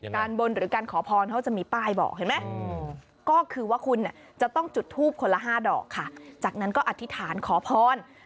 บนหรือการขอพรเขาจะมีป้ายบอกเห็นไหมก็คือว่าคุณจะต้องจุดทูบคนละ๕ดอกค่ะจากนั้นก็อธิษฐานขอพร